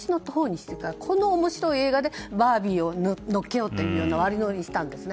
それからこの面白い映画でバービーを乗っけようという悪乗りをしたんですね。